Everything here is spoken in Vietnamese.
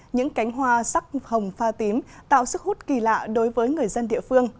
những cánh hoa sắc hồng pha tím tạo sức hút kỳ lạ đối với người dân địa phương